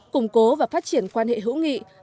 củng cố và phát triển quan hệ hữu nghị